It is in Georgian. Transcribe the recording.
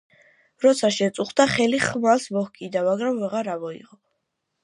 როცა შეწუხდა, ხელი ხმალს მოჰკიდა, მაგრამ ვეღარ ამოიღო